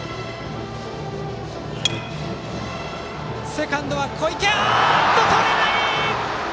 セカンド小池、とれない！